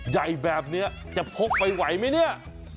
ใหญ่แบบนี้จะพกไวมั้ยเนี่ย